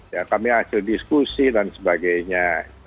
ya kami hasil diskusi dan sebagainya